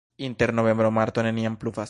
Inter novembro-marto neniam pluvas.